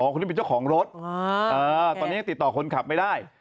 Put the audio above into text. คนนี้เป็นเจ้าของรถตอนนี้ยังติดต่อคนขับไม่ได้